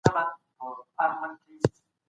ځواک په سياست کې د پرېکړو پلي کولو وسيله ده.